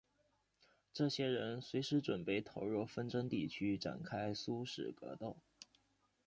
这些人随时准备投入纷争地区展开殊死格斗。